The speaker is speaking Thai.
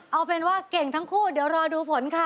เอาเป็นว่าเก่งทั้งคู่เดี๋ยวรอดูผลค่ะ